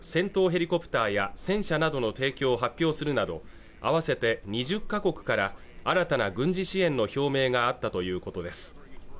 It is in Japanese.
ヘリコプターや戦車などの提供を発表するなど合わせて２０か国から新たな軍事支援の表明があったということです